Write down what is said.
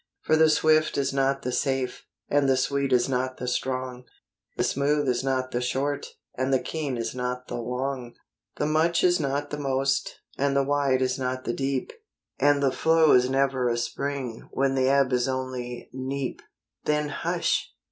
For the swift is not the safe, and the sweet is not the strong; The smooth is not the short, and the keen is not the long; The much is not the most, and the wide is not the deep, And the flow is never a spring, when the ebb is only neap. Then hush